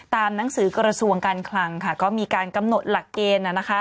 ตามหนังสือกรสวงการคลังค่ะก็มีการกำหนดหลักเกณฑ์นะคะ